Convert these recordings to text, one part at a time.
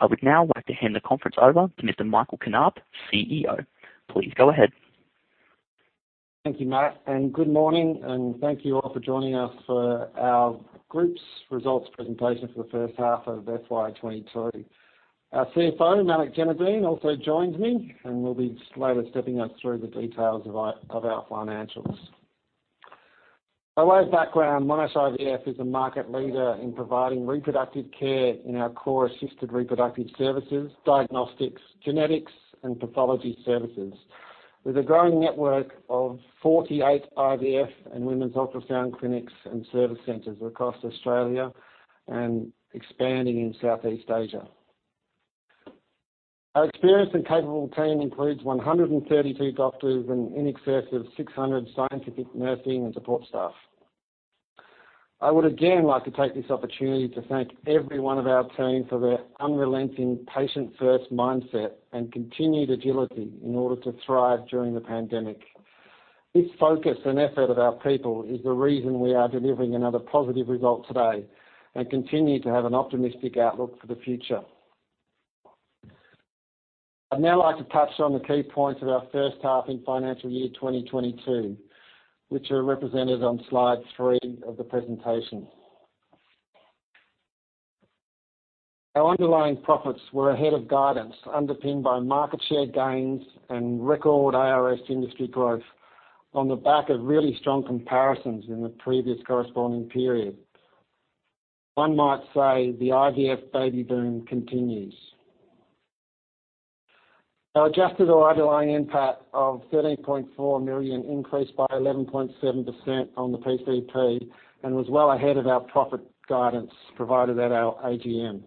I would now like to hand the conference over to Mr. Michael Knaap, CEO. Please go ahead. Thank you, Matt, and good morning, and thank you all for joining us for our group's results presentation for the first half of FY 2022. Our CFO, Malik Jainudeen, also joins me, and will be slowly stepping us through the details of our financials. By way of background, Monash IVF is a market leader in providing reproductive care in our core assisted reproductive services, diagnostics, genetics, and pathology services with a growing network of 48 IVF and women's ultrasound clinics and service centers across Australia and expanding in Southeast Asia. Our experienced and capable team includes 132 doctors and in excess of 600 scientific nursing and support staff. I would again like to take this opportunity to thank every one of our team for their unrelenting patient-first mindset and continued agility in order to thrive during the pandemic. This focus and effort of our people is the reason we are delivering another positive result today and continue to have an optimistic outlook for the future. I'd now like to touch on the key points of our first half in financial year 2022, which are represented on slide 3 of the presentation. Our underlying profits were ahead of guidance, underpinned by market share gains and record ARS industry growth on the back of really strong comparisons in the previous corresponding period. One might say the IVF baby boom continues. Our adjusted or underlying NPAT of 13.4 million increased by 11.7% on the PCP and was well ahead of our profit guidance provided at our AGM.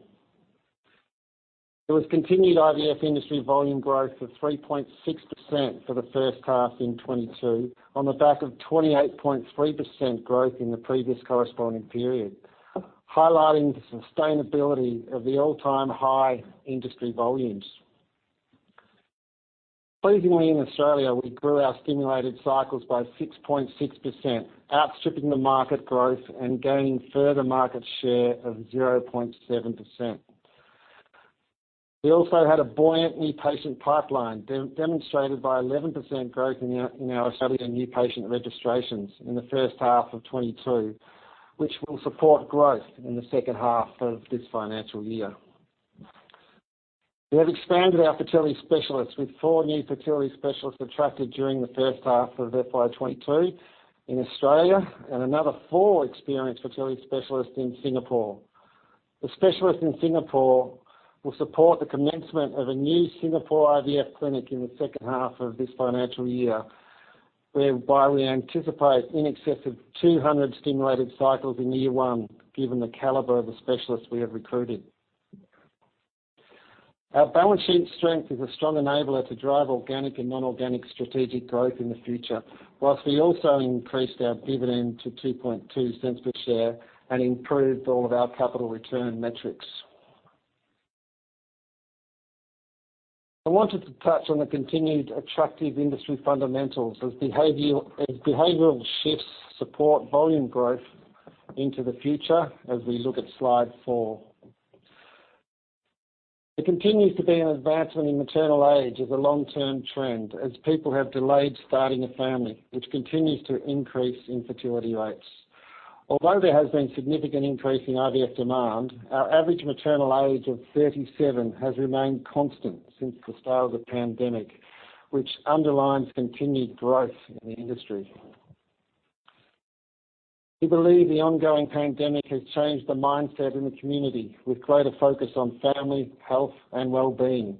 There was continued IVF industry volume growth of 3.6% for the first half in 2022 on the back of 28.3% growth in the previous corresponding period, highlighting the sustainability of the all-time high industry volumes. Pleasingly in Australia, we grew our stimulated cycles by 6.6%, outstripping the market growth and gaining further market share of 0.7%. We also had a buoyant new patient pipeline demonstrated by 11% growth in our Australian new patient registrations in the first half of 2022, which will support growth in the second half of this financial year. We have expanded our fertility specialists with four new fertility specialists attracted during the first half of FY 2022 in Australia and another four experienced fertility specialists in Singapore. The specialists in Singapore will support the commencement of a new Singapore IVF clinic in the second half of this financial year, whereby we anticipate in excess of 200 stimulated cycles in year one, given the caliber of the specialists we have recruited. Our balance sheet strength is a strong enabler to drive organic and non-organic strategic growth in the future, while we also increased our dividend to 0.022 per share and improved all of our capital return metrics. I wanted to touch on the continued attractive industry fundamentals as behavioral shifts support volume growth into the future as we look at slide 4. There continues to be an advancement in maternal age as a long-term trend as people have delayed starting a family, which continues to increase infertility rates. Although there has been significant increase in IVF demand, our average maternal age of 37 has remained constant since the start of the pandemic, which underlines continued growth in the industry. We believe the ongoing pandemic has changed the mindset in the community with greater focus on family, health, and well-being.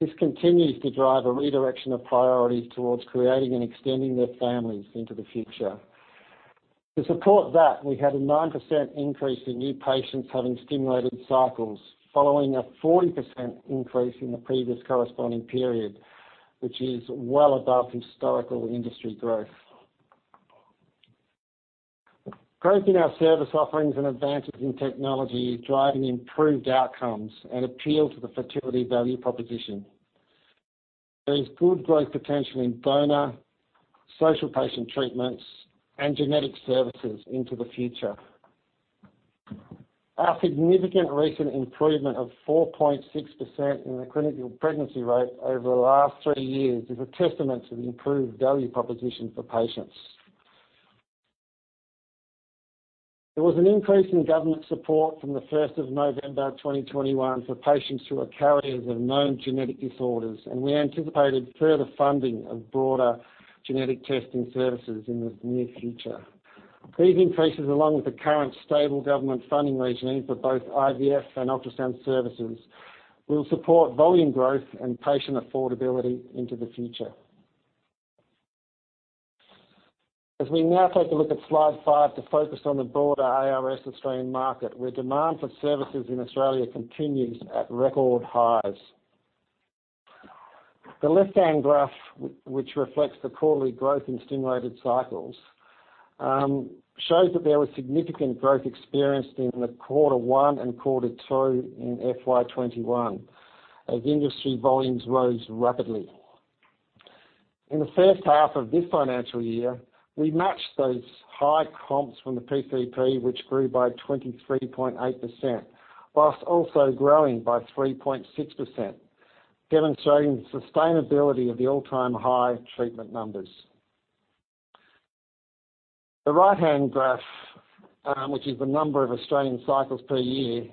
This continues to drive a redirection of priorities towards creating and extending their families into the future. To support that, we had a 9% increase in new patients having stimulated cycles following a 40% increase in the previous corresponding period, which is well above historical industry growth. Growth in our service offerings and advances in technology driving improved outcomes and appeal to the fertility value proposition. There is good growth potential in donor, social patient treatments, and genetic services into the future. Our significant recent improvement of 4.6% in the clinical pregnancy rate over the last three years is a testament to the improved value proposition for patients. There was an increase in government support from November 1, 2021 for patients who are carriers of known genetic disorders, and we anticipated further funding of broader genetic testing services in the near future. These increases, along with the current stable government funding regimes for both IVF and ultrasound services, will support volume growth and patient affordability into the future. We now take a look at slide 5 to focus on the broader ARS Australian market, where demand for services in Australia continues at record highs. The left-hand graph, which reflects the quarterly growth in stimulated cycles, shows that there was significant growth experienced in quarter one and quarter two in FY 2021 as industry volumes rose rapidly. In the first half of this financial year, we matched those high comps from the PCP, which grew by 23.8%, whilst also growing by 3.6%, demonstrating the sustainability of the all-time high treatment numbers. The right-hand graph, which is the number of Australian cycles per year,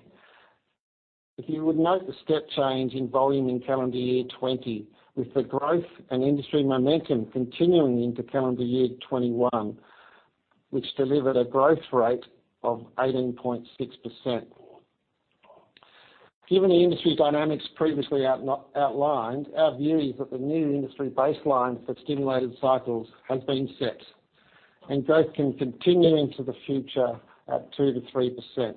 if you would note the step change in volume in calendar year 2020, with the growth and industry momentum continuing into calendar year 2021, which delivered a growth rate of 18.6%. Given the industry dynamics previously outlined, our view is that the new industry baseline for stimulated cycles has been set, and growth can continue into the future at 2%-3%.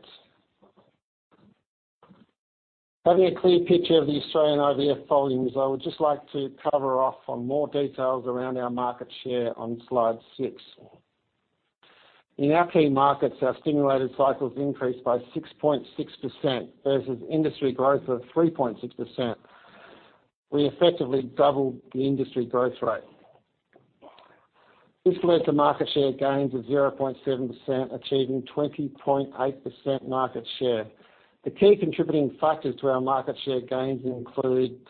Having a clear picture of the Australian IVF volumes, I would just like to cover off on more details around our market share on slide 6. In our key markets, our stimulated cycles increased by 6.6% versus industry growth of 3.6%. We effectively doubled the industry growth rate. This led to market share gains of 0.7%, achieving 20.8% market share. The key contributing factors to our market share gains include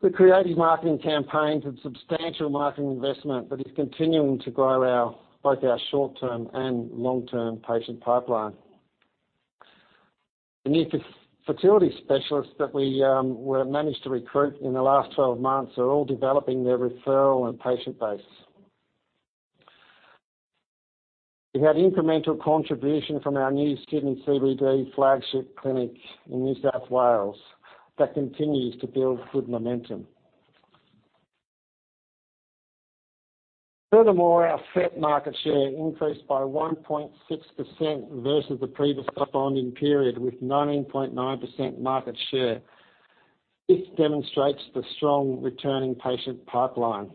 the creative marketing campaigns and substantial marketing investment that is continuing to grow both our short-term and long-term patient pipeline. The new fertility specialists that we have managed to recruit in the last 12 months are all developing their referral and patient base. We had incremental contribution from our new Sydney CBD flagship clinic in New South Wales that continues to build good momentum. Furthermore, our FET market share increased by 1.6% versus the previous corresponding period with 19.9% market share. This demonstrates the strong returning patient pipeline.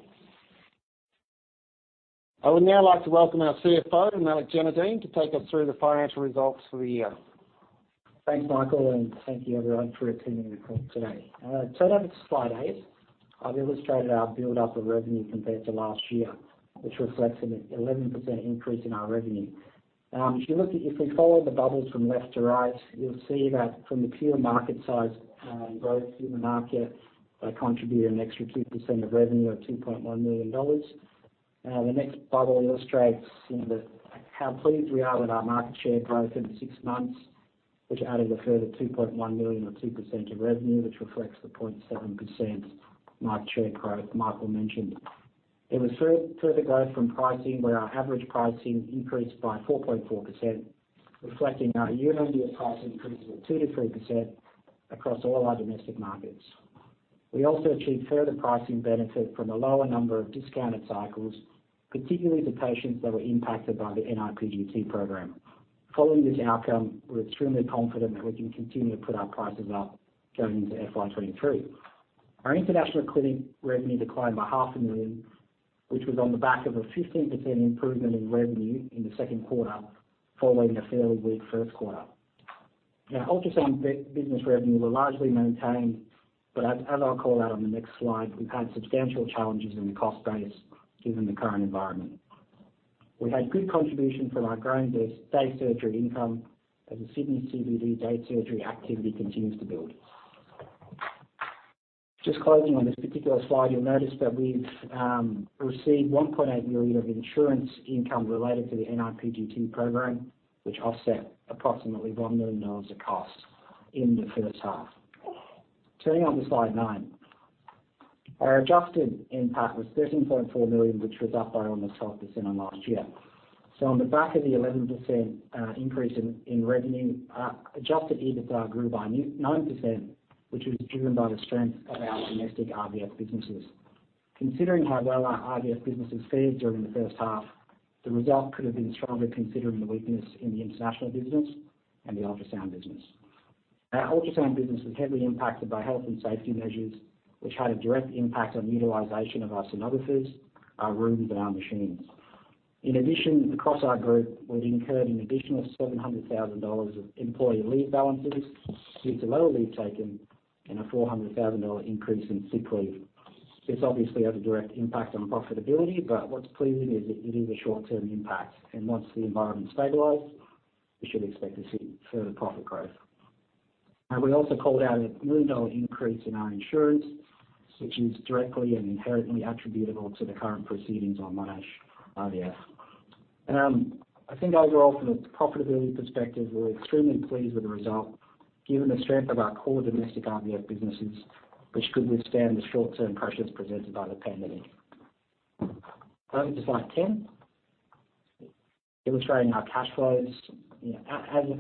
I would now like to welcome our CFO, Malik Jainudeen, to take us through the financial results for the year. Thanks, Michael, and thank you everyone for attending the call today. Turning over to slide 8. I've illustrated our build-up of revenue compared to last year, which reflects an 11% increase in our revenue. Now, if we follow the bubbles from left to right, you'll see that from the pure market size, growth in the market contributed an extra 2% of revenue of 2.1 million dollars. The next bubble illustrates how pleased we are with our market share growth in six months, which added a further 2.1 million or 2% of revenue, which reflects the 0.7% market share growth Michael mentioned. There was further growth from pricing, where our average pricing increased by 4.4%, reflecting our year-on-year price increases of 2%-3% across all our domestic markets. We also achieved further pricing benefit from a lower number of discounted cycles, particularly to patients that were impacted by the NPRGT program. Following this outcome, we're extremely confident that we can continue to put our prices up going into FY 2023. Our international clinic revenue declined by 0.5 million, which was on the back of a 15% improvement in revenue in the second quarter, following a fairly weak first quarter. Now, ultrasound business revenue were largely maintained, but as I'll call out on the next slide, we've had substantial challenges in the cost base given the current environment. We had good contribution from our growing day surgery income as the Sydney CBD day surgery activity continues to build. Just closing on this particular slide, you'll notice that we've received 1.8 million of insurance income related to the NPRGT program, which offset approximately 1 million dollars of costs in the first half. Turning over to slide 9. Our adjusted NPAT was 13.4 million, which was up by almost 12% on last year. On the back of the 11% increase in revenue, our Adjusted EBITDA grew by 9%, which was driven by the strength of our domestic IVF businesses. Considering how well our IVF businesses fared during the first half, the result could have been stronger considering the weakness in the international business and the ultrasound business. Our ultrasound business was heavily impacted by health and safety measures, which had a direct impact on utilization of our sonographers, our rooms, and our machines. In addition, across our group, we've incurred an additional 700,000 dollars of employee leave balances due to lower leave taken and a 400,000 dollar increase in sick leave. This obviously has a direct impact on profitability, but what's pleasing is that it is a short-term impact, and once the environment stabilizes, we should expect to see further profit growth. We also called out a AUD 1 million increase in our insurance, which is directly and inherently attributable to the current proceedings on Monash IVF. I think overall, from a profitability perspective, we're extremely pleased with the result given the strength of our core domestic IVF businesses, which could withstand the short-term pressures presented by the pandemic. Going to slide 10, illustrating our cash flows. You know,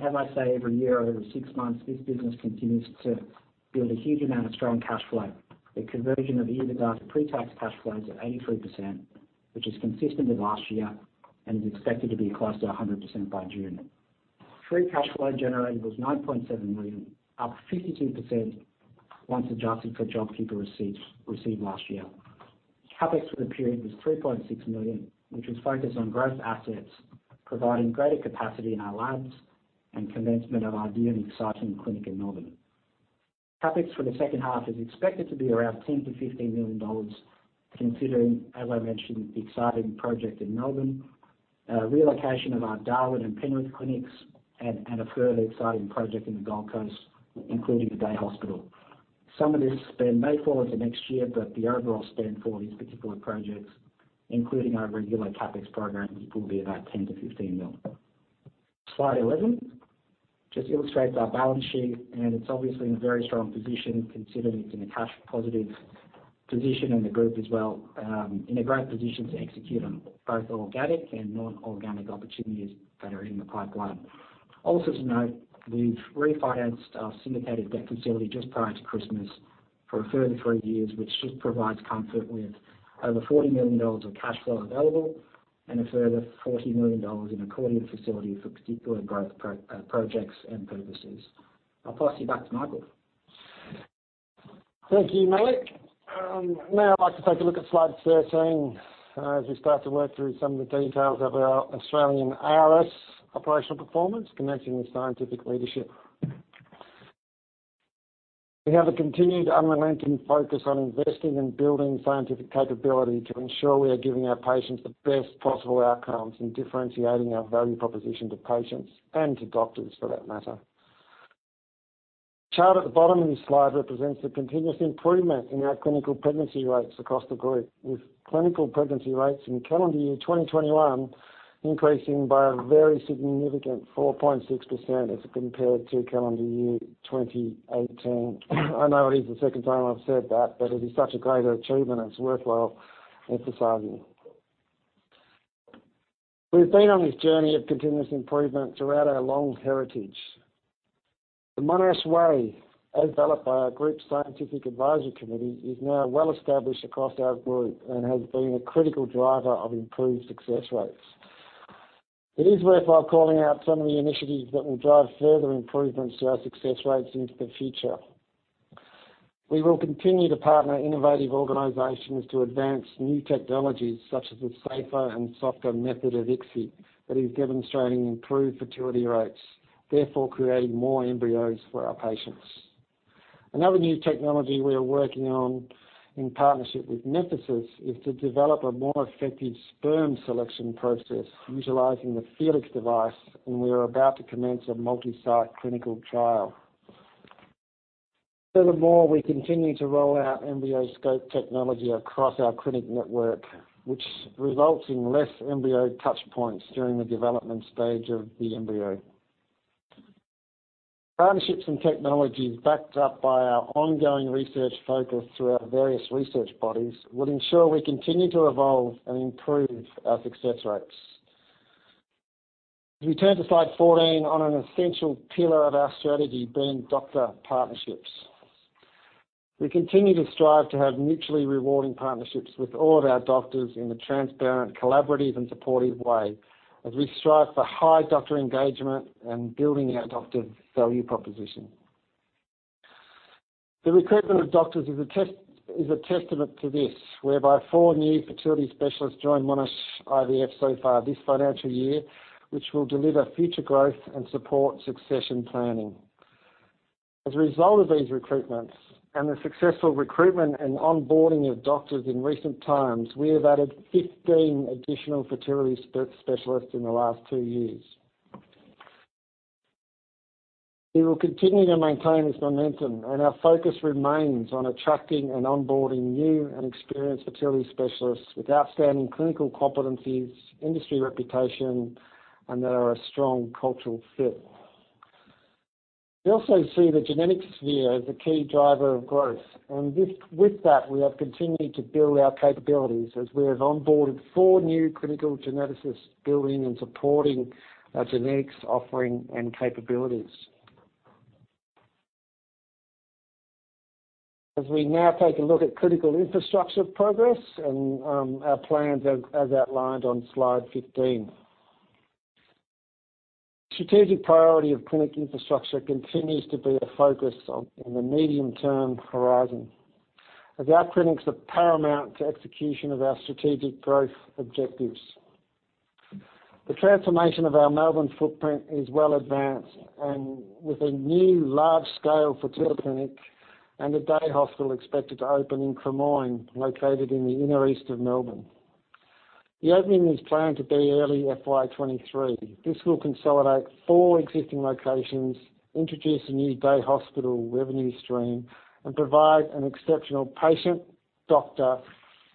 as I say, every year or every six months, this business continues to build a huge amount of strong cash flow. The conversion of EBITDA to pre-tax cash flow is at 83%, which is consistent with last year and is expected to be close to 100% by June. Free cash flow generated was 9.7 million, up 52% once adjusted for JobKeeper received last year. CapEx for the period was 3.6 million, which was focused on growth assets, providing greater capacity in our labs and commencement of our new and exciting clinic in Melbourne. CapEx for the second half is expected to be around 10 million-15 million dollars, considering, as I mentioned, the exciting project in Melbourne, relocation of our Darwin and Penrith clinics, and a further exciting project in the Gold Coast, including the day hospital. Some of this spend may fall into next year, but the overall spend for these particular projects, including our regular CapEx program, will be about 10 million-15 million. Slide 11 just illustrates our balance sheet, and it's obviously in a very strong position considering it's in a cash positive position, and the group as well, in a great position to execute on both organic and non-organic opportunities that are in the pipeline. To note, we've refinanced our syndicated debt facility just prior to Christmas for a further three years, which just provides comfort with over 40 million dollars of cash flow available and a further 40 million dollars in accordion facility for particular growth projects and purposes. I'll pass you back to Michael. Thank you, Malik. Now I'd like to take a look at slide 13, as we start to work through some of the details of our Australian ARS operational performance connecting with scientific leadership. We have a continued unrelenting focus on investing in building scientific capability to ensure we are giving our patients the best possible outcomes and differentiating our value proposition to patients and to doctors for that matter. The chart at the bottom of this slide represents the continuous improvement in our clinical pregnancy rates across the group, with clinical pregnancy rates in calendar year 2021 increasing by a very significant 4.6% as compared to calendar year 2018. I know it is the second time I've said that, but it is such a great achievement it's worthwhile emphasizing. We've been on this journey of continuous improvement throughout our long heritage. The Monash Way, as developed by our group's scientific advisory committee, is now well-established across our group and has been a critical driver of improved success rates. It is worthwhile calling out some of the initiatives that will drive further improvements to our success rates into the future. We will continue to partner innovative organizations to advance new technologies such as the safer and softer method of ICSI that is demonstrating improved fertility rates, therefore creating more embryos for our patients. Another new technology we are working on in partnership with Memphasys is to develop a more effective sperm selection process utilizing the Felix device, and we are about to commence a multi-site clinical trial. Furthermore, we continue to roll out EmbryoScope technology across our clinic network, which results in less embryo touch points during the development stage of the embryo. Partnerships and technologies backed up by our ongoing research focus through our various research bodies will ensure we continue to evolve and improve our success rates. As we turn to slide 14 on an essential pillar of our strategy being doctor partnerships. We continue to strive to have mutually rewarding partnerships with all of our doctors in a transparent, collaborative, and supportive way as we strive for high doctor engagement and building our doctor value proposition. The recruitment of doctors is a testament to this, whereby four new fertility specialists joined Monash IVF so far this financial year, which will deliver future growth and support succession planning. As a result of these recruitments and the successful recruitment and onboarding of doctors in recent times, we have added 15 additional fertility specialists in the last two years. We will continue to maintain this momentum and our focus remains on attracting and onboarding new and experienced fertility specialists with outstanding clinical competencies, industry reputation, and that are a strong cultural fit. We also see the genetics sphere as a key driver of growth, and with that we have continued to build our capabilities as we have onboarded four new clinical geneticists building and supporting our genetics offering and capabilities. As we now take a look at critical infrastructure progress and our plans as outlined on slide 15. Strategic priority of clinic infrastructure continues to be a focus on, in the medium-term horizon, as our clinics are paramount to execution of our strategic growth objectives. The transformation of our Melbourne footprint is well advanced and with a new large-scale fertility clinic and a day hospital expected to open in Cremorne, located in the inner east of Melbourne. The opening is planned to be early FY 2023. This will consolidate four existing locations, introduce a new day hospital revenue stream, and provide an exceptional patient, doctor,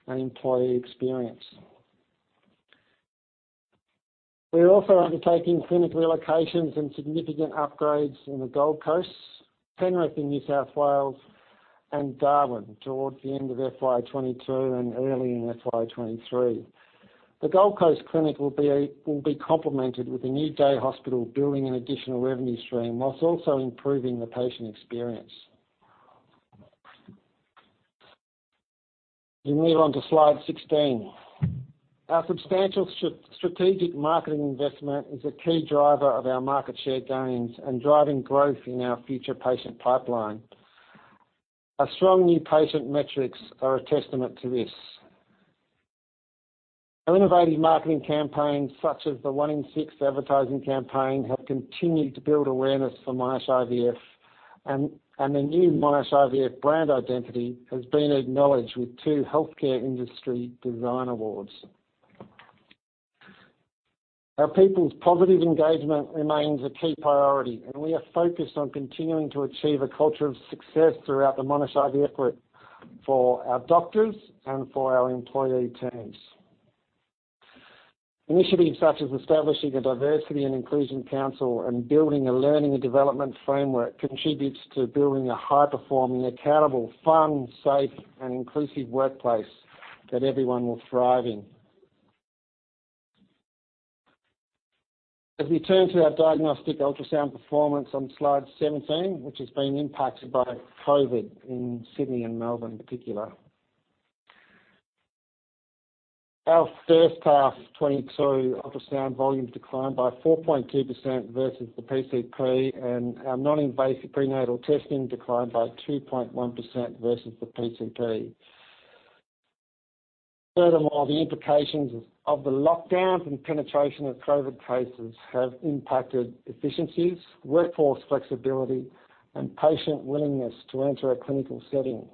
and employee experience. We are also undertaking clinic relocations and significant upgrades in the Gold Coast, Penrith in New South Wales, and Darwin towards the end of FY 2022 and early in FY 2023. The Gold Coast clinic will be complemented with a new day hospital building an additional revenue stream whilst also improving the patient experience. We move on to slide 16. Our substantial strategic marketing investment is a key driver of our market share gains and driving growth in our future patient pipeline. Our strong new patient metrics are a testament to this. Our innovative marketing campaigns, such as the One in Six advertising campaign, have continued to build awareness for Monash IVF, and the new Monash IVF brand identity has been acknowledged with two healthcare industry design awards. Our people's positive engagement remains a key priority, and we are focused on continuing to achieve a culture of success throughout the Monash IVF Group for our doctors and for our employee teams. Initiatives such as establishing a diversity and inclusion council and building a learning and development framework contributes to building a high-performing, accountable, fun, safe, and inclusive workplace that everyone will thrive in. As we turn to our diagnostic ultrasound performance on slide 17, which has been impacted by COVID in Sydney and Melbourne in particular. Our first half 2022 ultrasound volumes declined by 4.2% versus the PCP, and our non-invasive prenatal testing declined by 2.1% versus the PCP. Furthermore, the implications of the lockdowns and penetration of COVID cases have impacted efficiencies, workforce flexibility, and patient willingness to enter a clinical setting.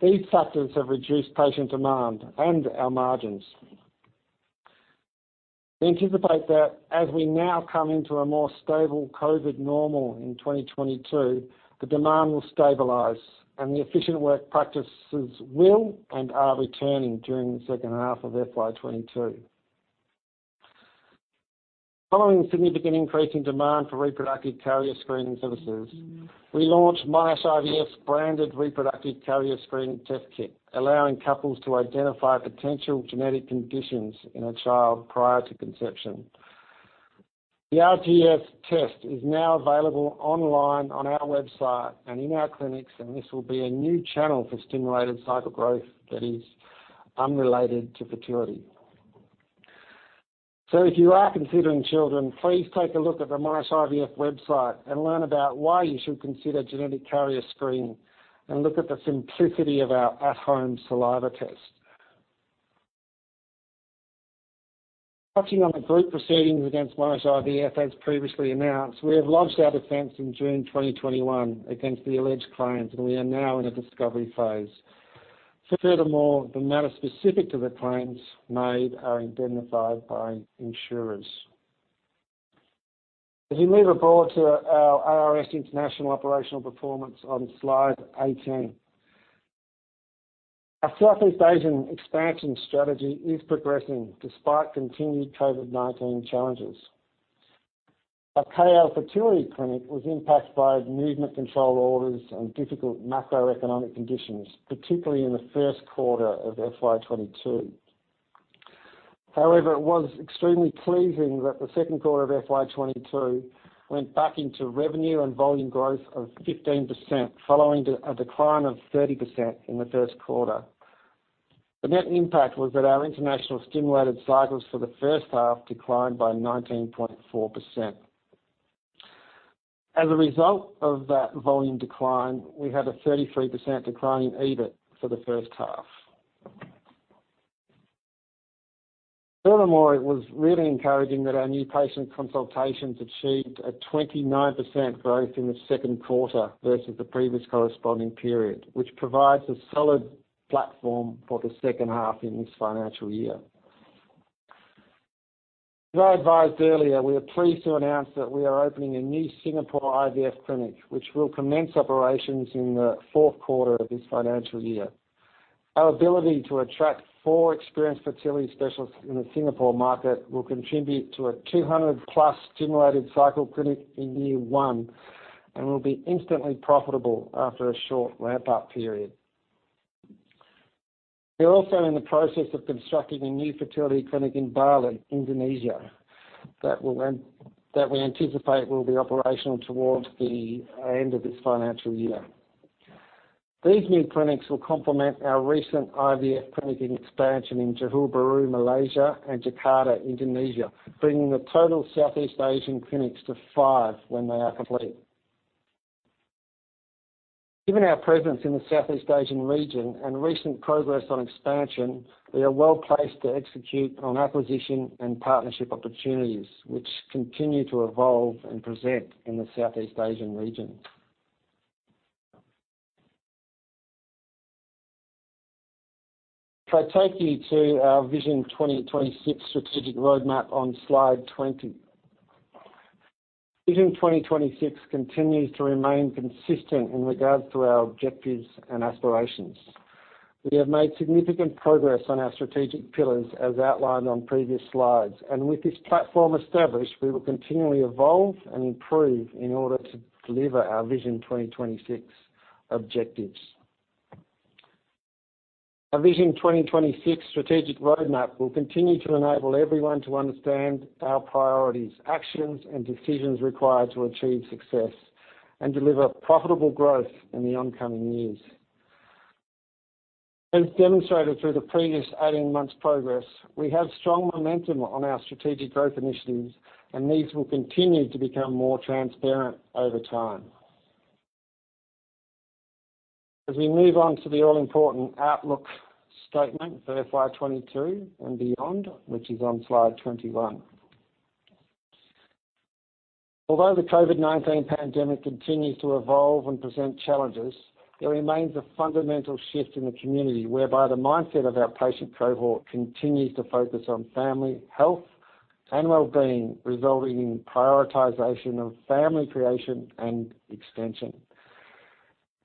These factors have reduced patient demand and our margins. We anticipate that as we now come into a more stable COVID normal in 2022, the demand will stabilize and the efficient work practices will and are returning during the second half of FY 2022. Following significant increase in demand for reproductive carrier screening services, we launched Monash IVF's branded reproductive carrier screening test kit, allowing couples to identify potential genetic conditions in a child prior to conception. The RCS test is now available online on our website and in our clinics, and this will be a new channel for stimulated cycle growth that is unrelated to fertility. If you are considering children, please take a look at the Monash IVF website and learn about why you should consider genetic carrier screening, and look at the simplicity of our at-home saliva test. Touching on the group proceedings against Monash IVF, as previously announced, we have lodged our defense in June 2021 against the alleged claims, and we are now in a discovery phase. Furthermore, the matter specific to the claims made are indemnified by insurers. As we move abroad to our ARS international operational performance on slide 18. Our Southeast Asian expansion strategy is progressing despite continued COVID-19 challenges. Our KL Fertility Centre was impacted by movement control orders and difficult macroeconomic conditions, particularly in the first quarter of FY 2022. However, it was extremely pleasing that the second quarter of FY 2022 went back into revenue and volume growth of 15%, following a decline of 30% in the first quarter. The net impact was that our international stimulated cycles for the first half declined by 19.4%. As a result of that volume decline, we had a 33% decline in EBIT for the first half. Furthermore, it was really encouraging that our new patient consultations achieved a 29% growth in the second quarter versus the previous corresponding period, which provides a solid platform for the second half in this financial year. As I advised earlier, we are pleased to announce that we are opening a new Singapore IVF clinic, which will commence operations in the fourth quarter of this financial year. Our ability to attract four experienced fertility specialists in the Singapore market will contribute to a 200+ stimulated cycle clinic in year one and will be instantly profitable after a short ramp-up period. We're also in the process of constructing a new fertility clinic in Bali, Indonesia, that we anticipate will be operational towards the end of this financial year. These new clinics will complement our recent IVF clinic expansion in Johor Bahru, Malaysia and Jakarta, Indonesia, bringing the total Southeast Asian clinics to five when they are complete. Given our presence in the Southeast Asian region and recent progress on expansion, we are well-placed to execute on acquisition and partnership opportunities, which continue to evolve and present in the Southeast Asian region. If I take you to our Vision 2026 strategic roadmap on slide 20. Vision 2026 continues to remain consistent in regards to our objectives and aspirations. We have made significant progress on our strategic pillars as outlined on previous slides. With this platform established, we will continually evolve and improve in order to deliver our Vision 2026 objectives. Our Vision 2026 strategic roadmap will continue to enable everyone to understand our priorities, actions, and decisions required to achieve success and deliver profitable growth in the coming years. As demonstrated through the previous 18 months' progress, we have strong momentum on our strategic growth initiatives, and these will continue to become more transparent over time. As we move on to the all-important outlook statement for FY 2022 and beyond, which is on slide 21. Although the COVID-19 pandemic continues to evolve and present challenges, there remains a fundamental shift in the community whereby the mindset of our patient cohort continues to focus on family health and well-being, resulting in prioritization of family creation and extension.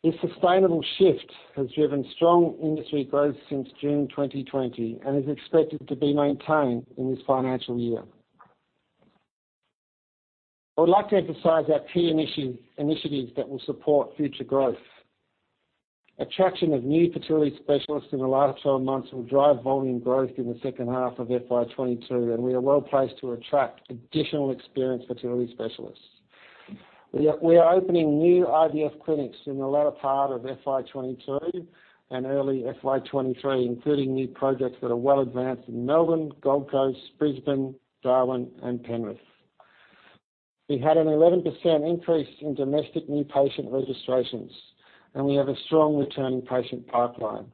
This sustainable shift has driven strong industry growth since June 2020 and is expected to be maintained in this financial year. I would like to emphasize our key initiatives that will support future growth. Attraction of new fertility specialists in the last 12 months will drive volume growth in the second half of FY 2022, and we are well-placed to attract additional experienced fertility specialists. We are opening new IVF clinics in the latter part of FY 2022 and early FY 2023, including new projects that are well advanced in Melbourne, Gold Coast, Brisbane, Darwin and Penrith. We had an 11% increase in domestic new patient registrations, and we have a strong returning patient pipeline.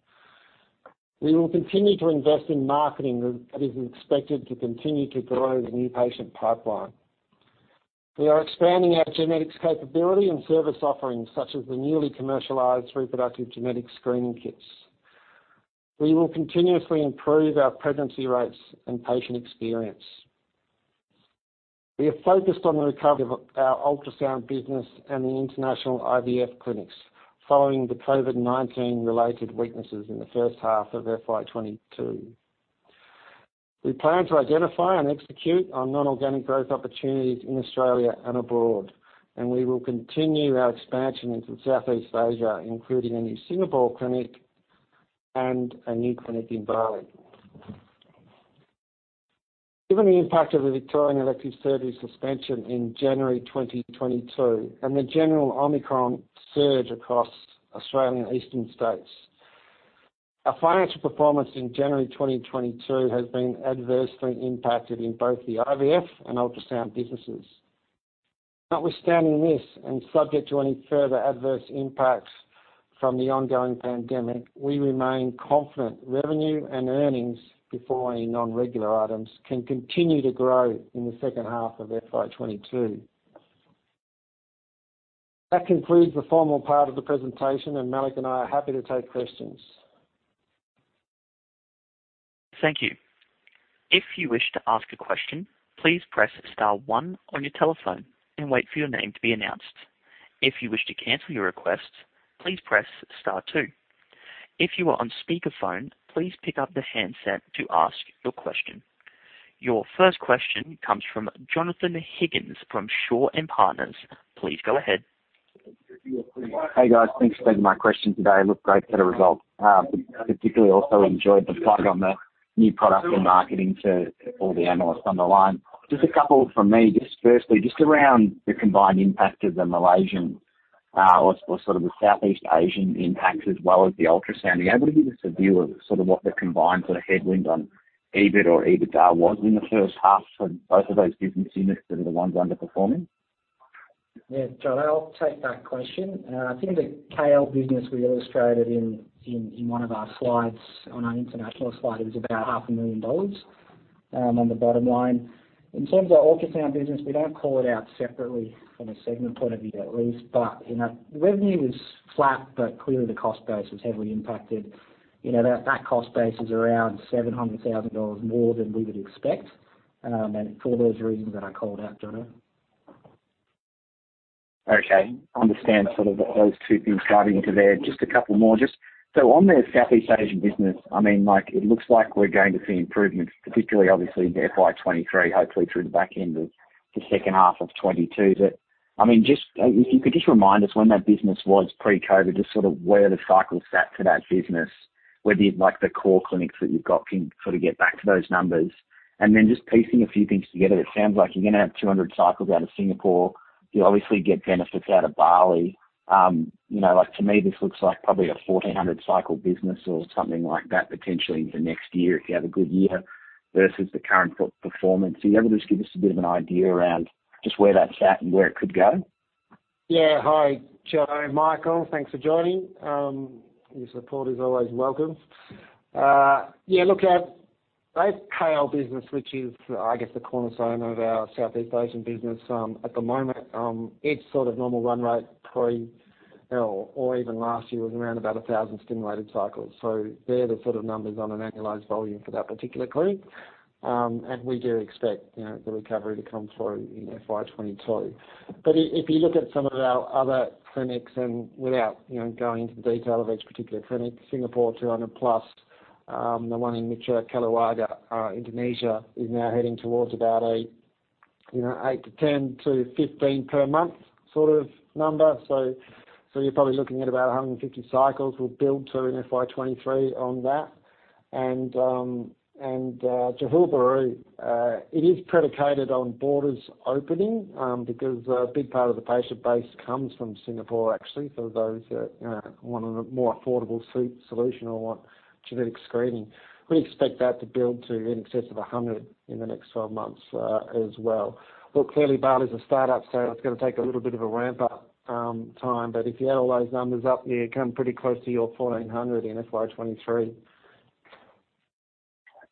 We will continue to invest in marketing that is expected to continue to grow the new patient pipeline. We are expanding our genetics capability and service offerings, such as the newly commercialized reproductive carrier screening kits. We will continuously improve our pregnancy rates and patient experience. We are focused on the recovery of our ultrasound business and the international IVF clinics following the COVID-19 related weaknesses in the first half of FY 2022. We plan to identify and execute on non-organic growth opportunities in Australia and abroad, and we will continue our expansion into Southeast Asia, including a new Singapore clinic and a new clinic in Bali. Given the impact of the Victorian elective surgery suspension in January 2022 and the general Omicron surge across Australian eastern states, our financial performance in January 2022 has been adversely impacted in both the IVF and ultrasound businesses. Notwithstanding this, and subject to any further adverse impacts from the ongoing pandemic, we remain confident revenue and earnings before any non-regular items can continue to grow in the second half of FY 2022. That concludes the formal part of the presentation, and Malik and I are happy to take questions. Thank you. If you wish to ask a question, please press star one on your telephone and wait for your name to be announced. If you wish to cancel your request, please press star two. If you are on speakerphone, please pick up the handset to ask your question. Your first question comes from Jonathon Higgins from Shaw and Partners. Please go ahead. Hey, guys. Thanks for taking my question today. Look, great set of results. Particularly also enjoyed the plug on the new product and marketing to all the analysts on the line. Just a couple from me. Just firstly, just around the combined impact of the Malaysian or sort of the Southeast Asian impact as well as the ultrasound. Are you able to give us a view of sort of what the combined sort of headwind on EBIT or EBITDA was in the first half for both of those business units that are the ones underperforming? Yeah. Jonathan, I'll take that question. I think the KL business we illustrated in one of our slides on our international slide, it was about 0.5 million dollars on the bottom line. In terms of our ultrasound business, we don't call it out separately from a segment point of view, at least. You know, revenue was flat, but clearly the cost base was heavily impacted. You know, that cost base is around 700,000 dollars more than we would expect. For those reasons that I called out, Jonathan. Okay. Understand sort of those two things driving it there. Just a couple more. Just so on the Southeast Asian business, I mean, like it looks like we're going to see improvements, particularly obviously in FY 2023, hopefully through the back end of the second half of 2022. I mean, just if you could just remind us when that business was pre-COVID, just sort of where the cycle sat for that business, whether you'd like the core clinics that you've got can sort of get back to those numbers. Then just piecing a few things together, it sounds like you're gonna have 200 cycles out of Singapore. You'll obviously get benefits out of Bali. You know, like to me, this looks like probably a 1,400-cycle business or something like that potentially for next year if you have a good year versus the current poor performance. Are you able to just give us a bit of an idea around just where that's at and where it could go? Hi, Joe, Michael. Thanks for joining. Your support is always welcome. Yeah, look, our KL business, which is, I guess, the cornerstone of our Southeast Asian business, at the moment, it's sort of normal run rate or even last year was around 1,000 stimulated cycles. So they're the sort of numbers on an annualized volume for that particular clinic. We do expect, you know, the recovery to come through in FY 2022. If you look at some of our other clinics and without, you know, going into the detail of each particular clinic, Singapore, 200+, the one in Mitra Keluarga, Indonesia, is now heading towards about a, you know, eight to 10 to 15 per month sort of number. You're probably looking at about 150 cycles we'll build to in FY 2023 on that. Johor Bahru, it is predicated on borders opening, because a big part of the patient base comes from Singapore actually, for those you know wanting a more affordable solution or want genetic screening. We expect that to build to in excess of 100 in the next 12 months, as well. Look, clearly Bali is a startup, so it's gonna take a little bit of a ramp up time. If you add all those numbers up, you come pretty close to your 1400 in FY 2023.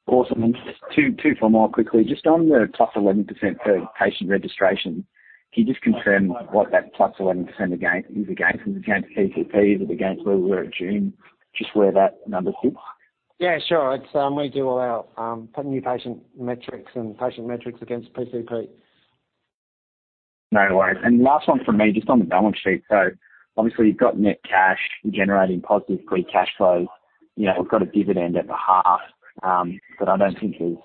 Awesome. Just two more quickly. Just on the +11% per patient registration, can you just confirm what that +11% again is against PCP? Is it against where we were at June? Just where that number sits. Yeah, sure. We do all our new patient metrics and patient metrics against PCP. No worries. Last one for me, just on the balance sheet. Obviously you've got net cash generating positive free cash flow. You know, we've got a dividend at the half, but I don't think there's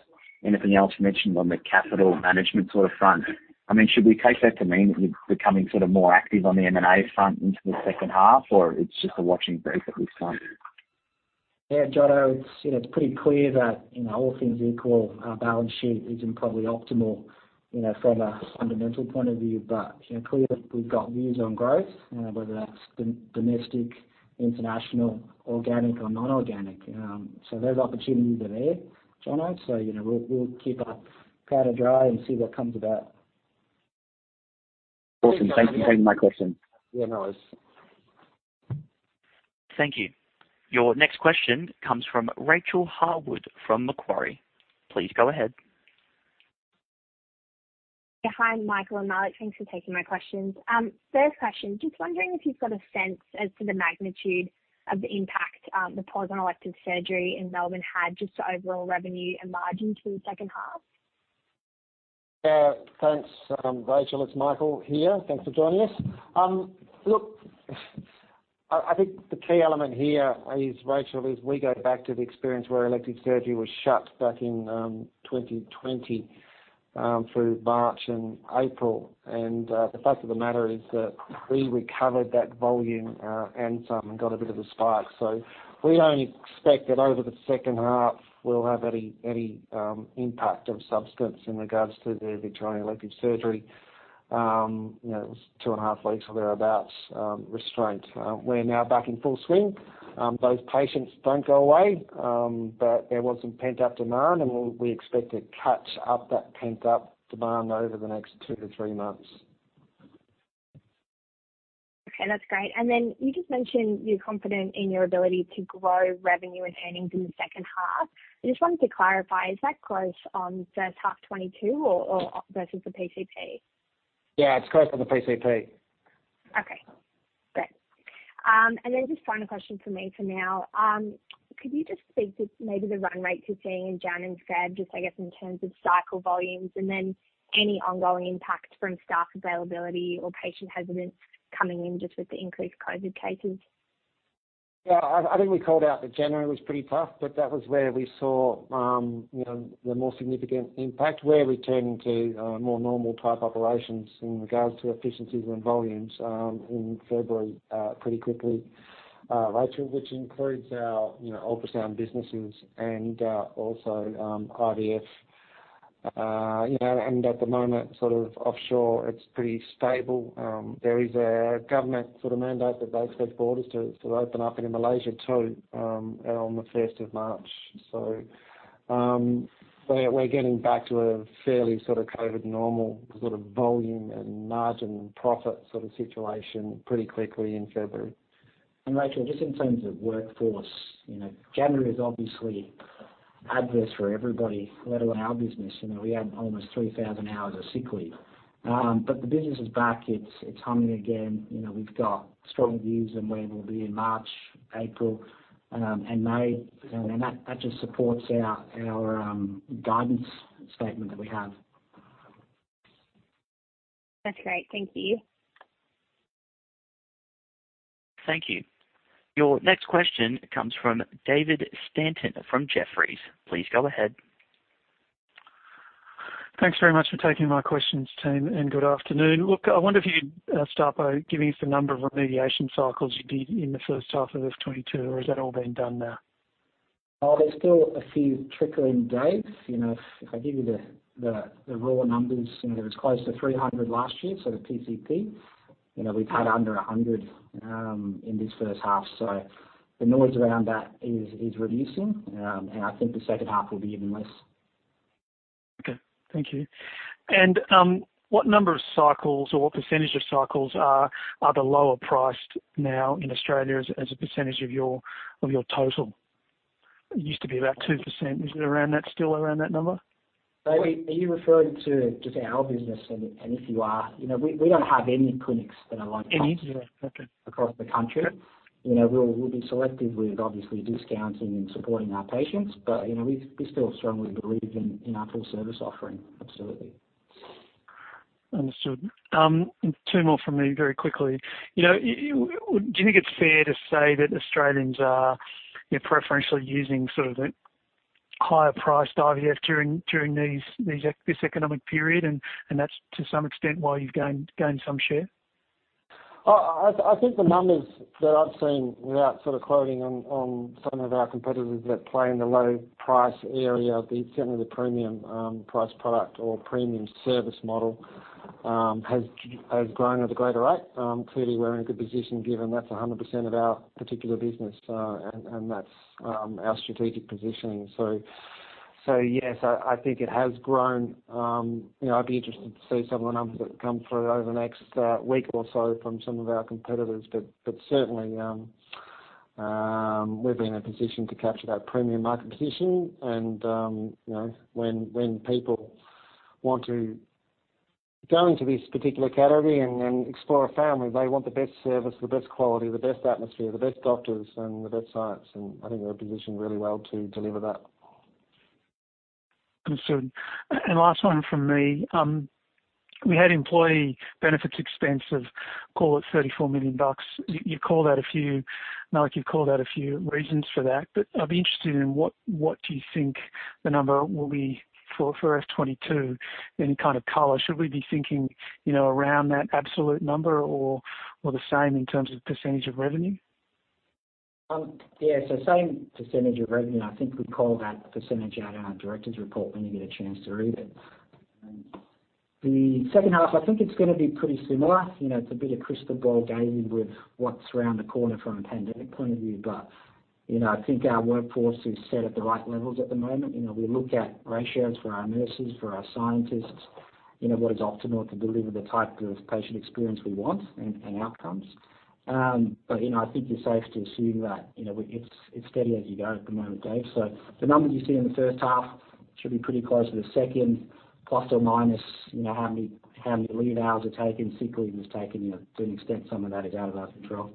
anything else mentioned on the capital management sort of front. I mean, should we take that to mean that you're becoming sort of more active on the M&A front into the second half, or it's just a watching brief at this time? Yeah, Jono, it's you know, it's pretty clear that you know, all things equal, our balance sheet isn't probably optimal you know, from a fundamental point of view. You know, clearly we've got views on growth, whether that's domestic, international, organic or non-organic. Those opportunities are there, Jono. You know, we'll keep our powder dry and see what comes about. Awesome. Thanks for taking my question. Yeah, no worries. Thank you. Your next question comes from Rachael Harwood from Macquarie. Please go ahead. Hi, Michael and Malik. Thanks for taking my questions. First question, just wondering if you've got a sense as to the magnitude of the impact, the pause on elective surgery in Melbourne had on overall revenue and margins for the second half? Thanks, Rachel, it's Michael here. Thanks for joining us. Look, I think the key element here is, Rachel, is we go back to the experience where elective surgery was shut back in 2020 through March and April. The fact of the matter is that we recovered that volume and some and got a bit of a spike. We don't expect that over the second half we'll have any impact of substance in regards to the Victorian elective surgery. You know, it was 2.5 weeks or thereabouts restraint. We're now back in full swing. Those patients don't go away, but there was some pent-up demand, and we expect to catch up that pent-up demand over the next two-three months. Okay, that's great. You just mentioned you're confident in your ability to grow revenue and earnings in the second half. I just wanted to clarify, is that close on first half 2022 or versus the PCP? Yeah, it's close on the PCP. Okay, great. Just final question for me for now. Could you just speak to maybe the run rate you're seeing in January and February, just I guess in terms of cycle volumes, and then any ongoing impact from staff availability or patient hesitancy coming in just with the increased COVID cases? Yeah, I think we called out that January was pretty tough, but that was where we saw, you know, the more significant impact. We're returning to more normal type operations in regards to efficiencies and volumes in February pretty quickly, Rachel, which includes our, you know, ultrasound businesses and also IVF. You know, at the moment, sort of offshore, it's pretty stable. There is a government sort of mandate that they expect borders to open up and in Malaysia too on the first of March. We're getting back to a fairly sort of COVID normal sort of volume and margin profit sort of situation pretty quickly in February. Rachel, just in terms of workforce, you know, January is obviously adverse for everybody, let alone our business. You know, we had almost 3,000 hours of sick leave. The business is back. It's humming again. You know, we've got strong views on where we'll be in March, April, and May. That just supports our guidance statement that we have. That's great. Thank you. Thank you. Your next question comes from David Stanton from Jefferies. Please go ahead. Thanks very much for taking my questions, team, and good afternoon. Look, I wonder if you'd start by giving us the number of remediation cycles you did in the first half of 2022, or has that all been done now? There's still a few trickling days. You know, if I give you the raw numbers, you know, it was close to 300 last year, so the PCP. You know, we've had under 100 in this first half. The noise around that is reducing. I think the second half will be even less. Okay, thank you. What number of cycles or what percentage of cycles are the lower priced now in Australia as a percentage of your total? It used to be about 2%. Is it around that still, around that number? David, are you referring to just our business? If you are, you know, we don't have any clinics that are like. Yeah. Okay. Across the country. Okay. You know, we'll be selective with obviously discounting and supporting our patients. You know, we still strongly believe in our full service offering, absolutely. Understood. Two more from me very quickly. You know, do you think it's fair to say that Australians are, you know, preferentially using sort of the higher priced IVF during this economic period, and that's to some extent why you've gained some share? I think the numbers that I've seen without sort of quoting on some of our competitors that play in the low price area, certainly the premium price product or premium service model has grown at a greater rate. Clearly we're in a good position given that's 100% of our particular business. That's our strategic positioning. Yes, I think it has grown. You know, I'd be interested to see some of the numbers that come through over the next week or so from some of our competitors. Certainly we've been in a position to capture that premium market position and you know when people want to go into this particular category and explore a family. They want the best service, the best quality, the best atmosphere, the best doctors and the best science, and I think we're positioned really well to deliver that. Understood. Last one from me. We had employee benefits expense of, call it 34 million bucks. Malik, you called out a few reasons for that, but I'd be interested in what you think the number will be for FY 2022. Any kind of color? Should we be thinking around that absolute number or the same in terms of percentage of revenue? Same percentage of revenue. I think we call that percentage out in our director's report when you get a chance to read it. The second half, I think it's gonna be pretty similar. You know, it's a bit of crystal ball gazing with what's around the corner from a pandemic point of view. You know, I think our workforce is set at the right levels at the moment. You know, we look at ratios for our nurses, for our scientists, you know, what is optimal to deliver the type of patient experience we want and outcomes. You know, I think you're safe to assume that, you know, it's steady as you go at the moment, Dave. The numbers you see in the first half should be pretty close to the second, plus or minus, you know, how many leave hours are taken, sick leave is taken. You know, to an extent some of that is out of our control.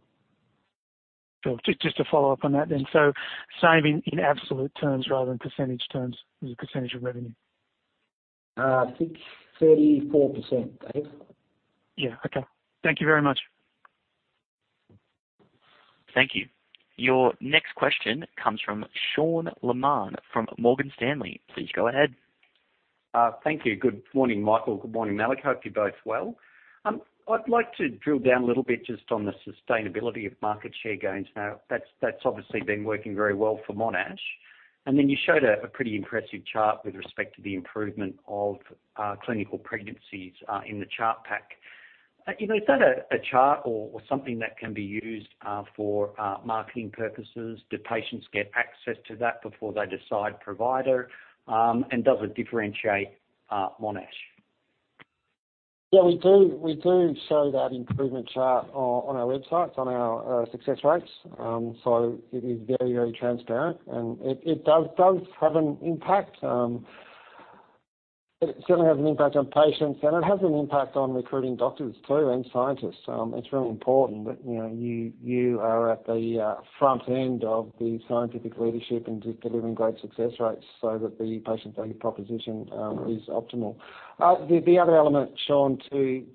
Just to follow up on that then. Same in absolute terms rather than percentage terms as a percentage of revenue? I think 34%, Dave. Yeah. Okay. Thank you very much. Thank you. Your next question comes from Sean Laaman from Morgan Stanley. Please go ahead. Thank you. Good morning, Michael. Good morning, Malik. Hope you're both well. I'd like to drill down a little bit just on the sustainability of market share gains. Now, that's obviously been working very well for Monash. Then you showed a pretty impressive chart with respect to the improvement of clinical pregnancies in the chart pack. You know, is that a chart or something that can be used for marketing purposes? Do patients get access to that before they decide provider? Does it differentiate Monash? Yeah, we do. We do show that improvement chart on our websites on our success rates. It is very transparent and it does have an impact. It certainly has an impact on patients, and it has an impact on recruiting doctors too, and scientists. It's really important that you know you are at the front end of the scientific leadership in delivering great success rates so that the patient value proposition is optimal. The other element, Sean, to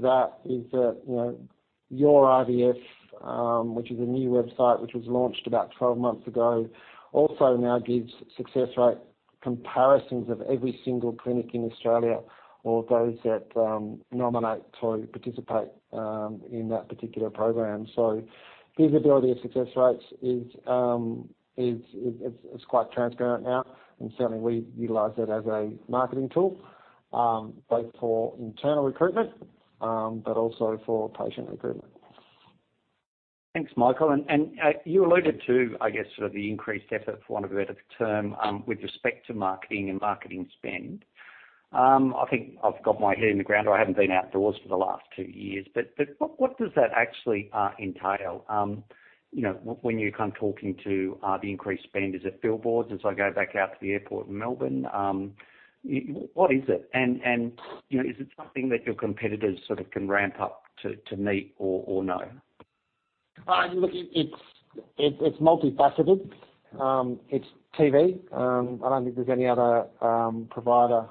that is that you know YourIVFSuccess, which is a new website which was launched about 12 months ago, also now gives success rate comparisons of every single clinic in Australia or those that nominate to participate in that particular program. Visibility of success rates is quite transparent now, and certainly we utilize that as a marketing tool, both for internal recruitment, but also for patient recruitment. Thanks, Michael. You alluded to, I guess, sort of the increased effort, for want of a better term, with respect to marketing and marketing spend. I think I've got my head in the ground, or I haven't been outdoors for the last two years. What does that actually entail? You know, when you're kind of talking to the increased spend, is it billboards as I go back out to the airport in Melbourne? What is it? You know, is it something that your competitors sort of can ramp up to meet or no? Look, it's multifaceted. It's TV. I don't think there's any other provider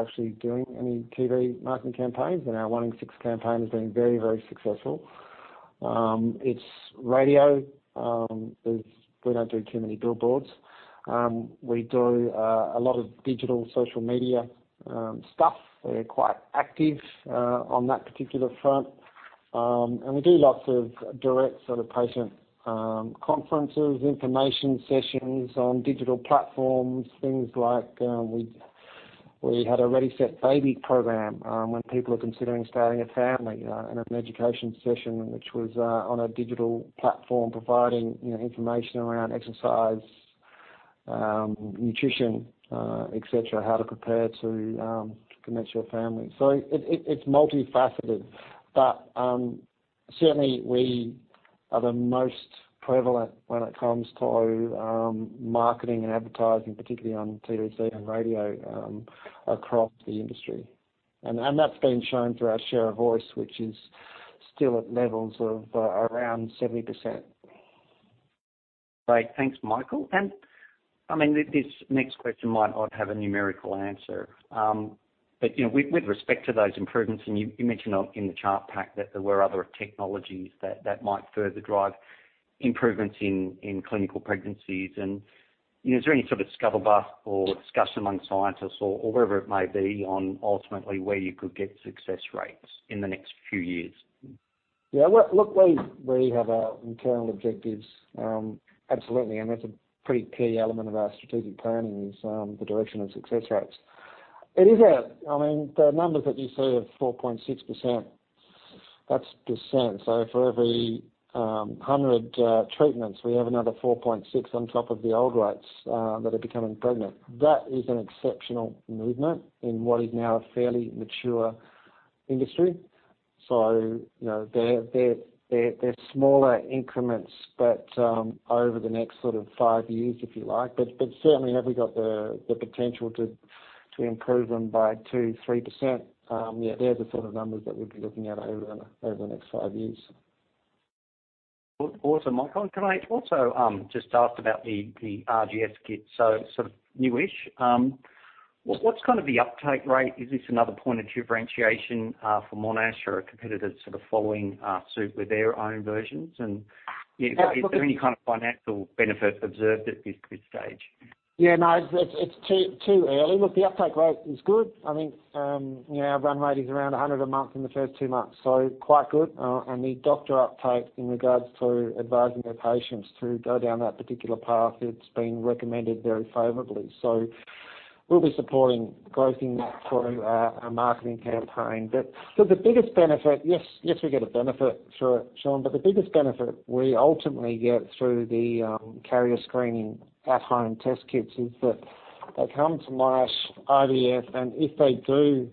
actually doing any TV marketing campaigns, and our One in Six campaign has been very, very successful. It's radio. We don't do too many billboards. We do a lot of digital social media stuff. We're quite active on that particular front. We do lots of direct sort of patient conferences, information sessions on digital platforms, things like, we had a Ready, Set, Baby program when people are considering starting a family, and an education session which was on a digital platform providing, you know, information around exercise, nutrition, et cetera, how to prepare to commence your family. It's multifaceted, but certainly we are the most prevalent when it comes to marketing and advertising, particularly on TVC and radio, across the industry. That's been shown through our share of voice, which is still at levels of around 70%. Great. Thanks, Michael. I mean, this next question might not have a numerical answer. You know, with respect to those improvements, and you mentioned in the chart pack that there were other technologies that might further drive improvements in clinical pregnancies. You know, is there any sort of scuttlebutt or discussion among scientists or whatever it may be on ultimately where you could get success rates in the next few years? Yeah. Look, we have our internal objectives, absolutely, and that's a pretty key element of our strategic planning is the direction of success rates. I mean, the numbers that you see of 4.6%, that's percent. So for every 100 treatments, we have another 4.6% on top of the old rates that are becoming pregnant. That is an exceptional movement in what is now a fairly mature industry. You know, they're smaller increments, but over the next sort of five years, if you like. But certainly have we got the potential to improve them by 2%-3%, yeah, they're the sort of numbers that we'd be looking at over the next five years. Awesome, Michael. Can I also just ask about the RCS kit, so sort of new-ish. What's kind of the uptake rate? Is this another point of differentiation for Monash or are competitors sort of following suit with their own versions? You know, is there any kind of financial benefit observed at this stage? Yeah, no, it's too early. Look, the uptake rate is good. I think, you know, our run rate is around 100 a month in the first two months, so quite good. The doctor uptake in regards to advising their patients to go down that particular path, it's been recommended very favorably. We'll be supporting growth in that through our marketing campaign. Look, the biggest benefit. Yes, we get a benefit through it, Sean, but the biggest benefit we ultimately get through the carrier screening at home test kits is that they come to Monash IVF, and if they do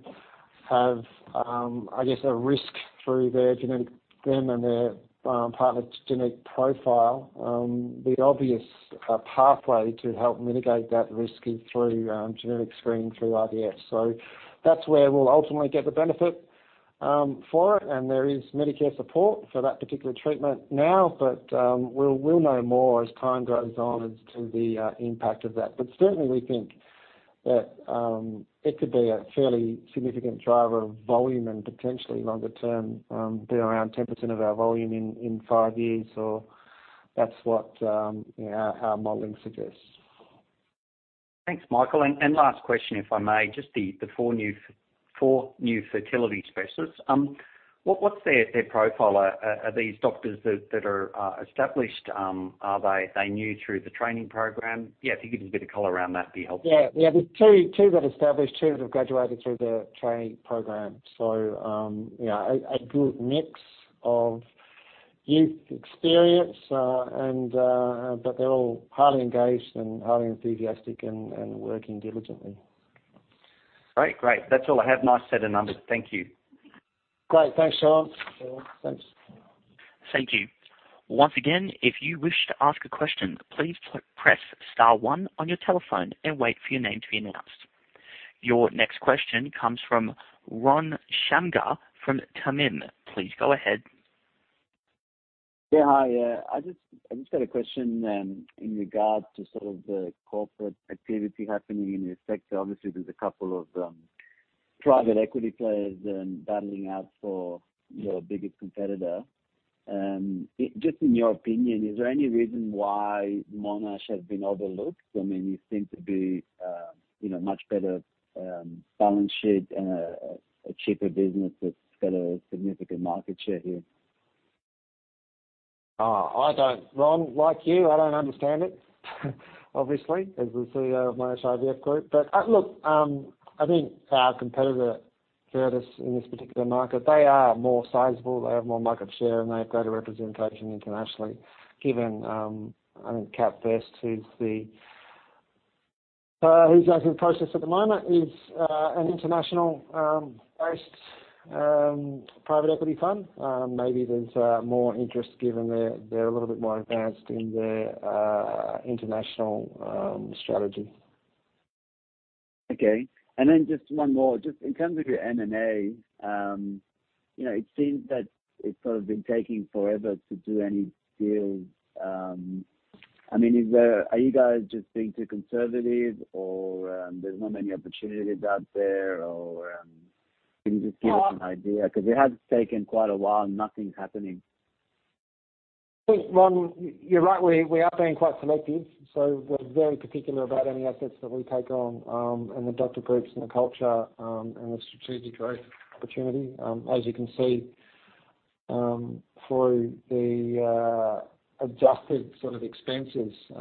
have, I guess, a risk through them and their partner's genetic profile, the obvious pathway to help mitigate that risk is through genetic screening through IVF. That's where we'll ultimately get the benefit for it, and there is Medicare support for that particular treatment now. We'll know more as time goes on as to the impact of that. Certainly we think that it could be a fairly significant driver of volume and potentially longer term be around 10% of our volume in five years or that's what our modeling suggests. Thanks, Michael. Last question if I may. Just the four new fertility specialists. What's their profile? Are these doctors that are established? Are they new through the training program? Yeah, if you could just a bit of color around that'd be helpful. Yeah. There's two that are established, two that have graduated through the training program. You know, a good mix of youth and experience. They're all highly engaged and highly enthusiastic and working diligently. Great. Great. That's all I have. Nice set of numbers. Thank you. Great. Thanks, Sean. Thanks. Thank you. Once again, if you wish to ask a question, please press star one on your telephone and wait for your name to be announced. Your next question comes from Ron Shamgar from TAMIM. Please go ahead. Yeah, hi. I just got a question in regards to sort of the corporate activity happening in your sector. Obviously, there's a couple of private equity players battling out for your biggest competitor. Just in your opinion, is there any reason why Monash has been overlooked? I mean, you seem to be, you know, much better balance sheet and a cheaper business that's got a significant market share here. I don't, Ron. Like you, I don't understand it, obviously, as the CEO of Monash IVF Group. Look, I think our competitor, Virtus, in this particular market, they are more sizable, they have more market share, and they have greater representation internationally. Given I think CapVest, who's actually in the process at the moment, is an internationally based private equity fund. Maybe there's more interest given they're a little bit more advanced in their international strategy. Okay. Just one more. Just in terms of your M&A, you know, it seems that it's sort of been taking forever to do any deals. I mean, are you guys just being too conservative or, there's not many opportunities out there or, Well- Can you just give us an idea? Because it has taken quite a while and nothing's happening. Look, Ron, you're right, we are being quite selective, so we're very particular about any assets that we take on, and the doctor groups and the culture, and the strategic growth opportunity. As you can see, through the adjusted sort of expenses, there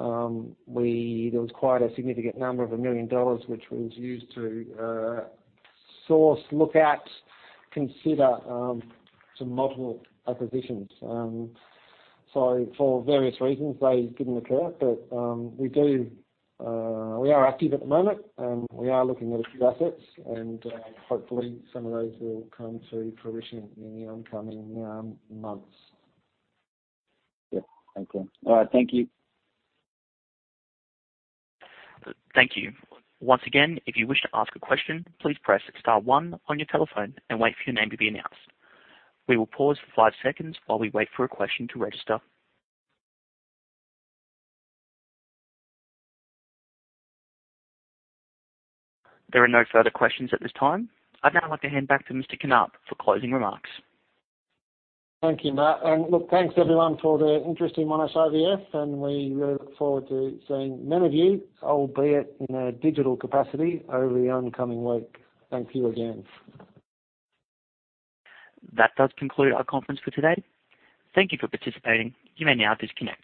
was quite a significant number of 1 million dollars, which was used to source, look at, consider some multiple acquisitions. For various reasons, they didn't occur. We are active at the moment, and we are looking at a few assets, and hopefully, some of those will come to fruition in the oncoming months. Yeah. Okay. All right. Thank you. Thank you. Once again, if you wish to ask a question, please press star one on your telephone and wait for your name to be announced. We will pause for five seconds while we wait for a question to register. There are no further questions at this time. I'd now like to hand back to Mr. Knaap for closing remarks. Thank you, Matt. Look, thanks everyone for their interest in Monash IVF, and we really look forward to seeing many of you, albeit in a digital capacity, over the oncoming week. Thank you again. That does conclude our conference for today. Thank you for participating. You may now disconnect.